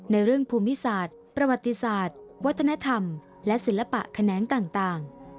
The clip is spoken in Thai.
ในเรื่องภูมิศาสตร์ประวัติศาสตร์วัฒนธรรมและศิลปะแขนงต่าง